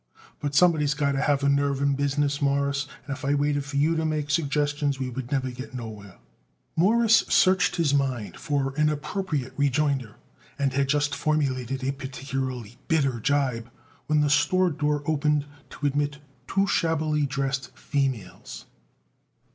"But, somebody's got to have nerve in a business, Mawruss, and if I waited for you to make suggestions we would never get nowhere." Morris searched his mind for an appropriate rejoinder, and had just formulated a particularly bitter jibe when the store door opened to admit two shabbily dressed females.